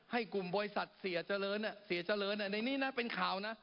ให้กลุ่มบริษัทเสียเจริญเสียเจริญในนี้นะเป็นข่าวนะ